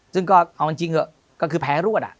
ซึ่งก็เอามันจริงเถอะก็คือแพ้รวด